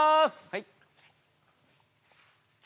はい。